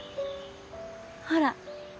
ほら。